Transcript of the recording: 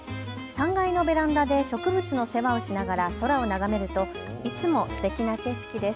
３階のベランダで植物の世話をしながら空を眺めるといつもすてきな景色です。